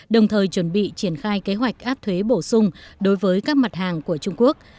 đồng thời chuẩn bị triển khai kế hoạch áp thuế bổ sung đối với các mặt hàng của trung quốc